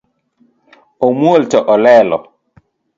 Omuol to olelo